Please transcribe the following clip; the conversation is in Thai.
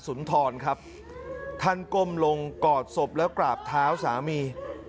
นทรครับท่านก้มลงกอดศพแล้วกราบเท้าสามี